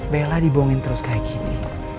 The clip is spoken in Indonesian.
bella dibohongin terus kayak gini